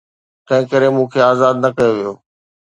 تنهنڪري مون کي آزاد نه ڪيو ويو.